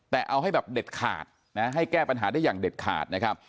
แต่เอาให้แบบเด็ดขาดนะให้แก้ปัญหาได้อย่างเด็ดขาดนะครับ